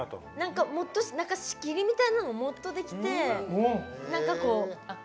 仕切りみたいなのがもっとできて。